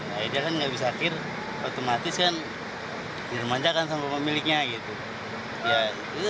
akhirnya dia kan nggak bisa akhir otomatis kan diremanjakan sama pemiliknya gitu